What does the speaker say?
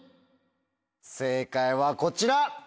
正解はこちら。